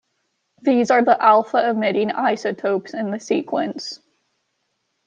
These are the alpha-emitting isotopes in the sequence.